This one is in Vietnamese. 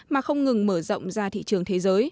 mà không ngừng mở rộng